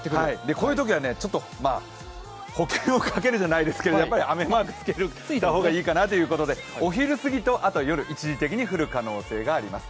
こういうときはちょっと保険をかけるじゃないですけど雨マークをつけておいた方がいいかなということでお昼すぎと夜、一時的に降る可能性があります。